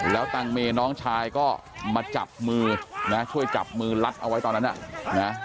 แล้วตังเมน้องชายก็มาจับมือนะช่วยจับมือลัดเอาไว้ตอนนั้นน่ะนะ